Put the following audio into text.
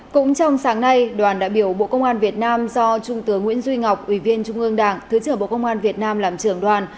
cũng trong sáng nay đoàn đại biểu bộ công an việt nam do trung tướng nguyễn duy ngọc ủy viên trung ương đảng thứ trưởng bộ công an việt nam làm trưởng đoàn